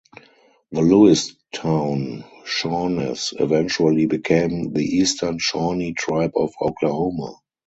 The Lewistown Shawnees eventually became the Eastern Shawnee Tribe of Oklahoma.